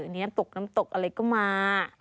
อันนี้น้ำตกน้ำตกอะไรก็มา